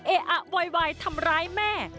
เอ๊ะอะวัยทำร้ายแม่